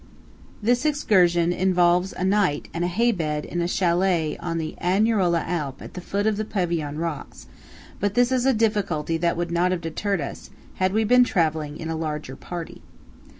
This excursion involves a night, and a hay bed, in a châlet on the Agnerola Alp at the foot of the Pavione rocks; but this is a difficulty that would not have deterred us, had we been travelling in a larger party.